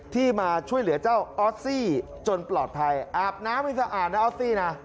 ที่มาช่วยเหลือเจ้าออสซี่จนปลอดภัยอาบน้ำให้สะอาดนะออสซี่นะ